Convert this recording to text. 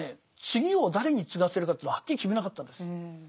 次を誰に継がせるかというのをはっきり決めなかったんです。